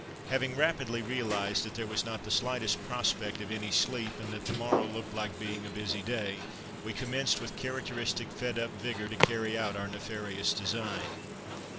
Having rapidly realized that there was not the slightest prospect of any sleep, and that the morrow looked like being a busy day, we commenced with characteristic fed up vigour to carry out our nefarious design.